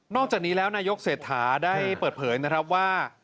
อกจากนี้แล้วนายกเศรษฐาได้เปิดเผยนะครับว่า